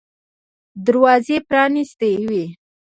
دروازې پرانیستې وې.